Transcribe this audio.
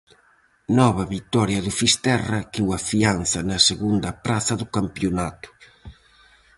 Nova vitoria do Fisterra que o afianza na segunda praza do campionato.